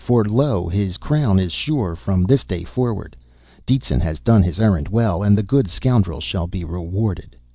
for lo, his crown is sure, from this day forward! Detzin has done his errand well, and the good scoundrel shall be rewarded!"